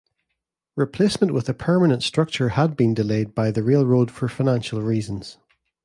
Replacement with a permanent structure had been delayed by the railroad for financial reasons.